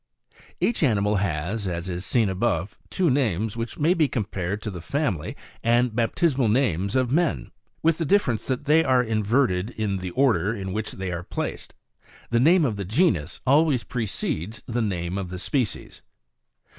4. Each animal has, as is seen above, two names, which may be compared to the family and baptismal names of men, with the difference that they are inverted in the order in which they are placed ; the name of the genus always precedes the name of the species.